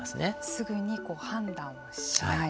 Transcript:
すぐに判断をしない。